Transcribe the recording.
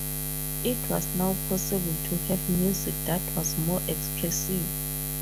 It was now possible to have music that was more expressive.